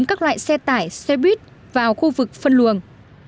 kết tải xe buýt vào khu vực phân luồng